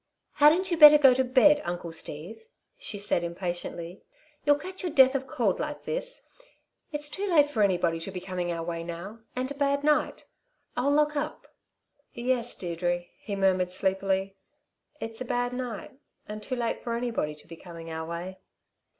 "Hadn't you better go to bed, Uncle Steve," she said, impatiently. "You'll catch your death of cold like this. It's too late for anybody to be coming our way now and a bad night. I'll lock up." "Yes, Deirdre," he murmured sleepily; "it's a bad night and too late for anybody to be coming our way."